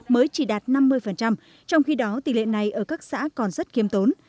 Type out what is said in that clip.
mới chỉ đạt năm mươi trong khi đó tỷ lệ này ở các xã còn rất khiêm tốn